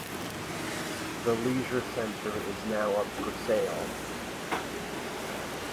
The leisure centre is now up for sale.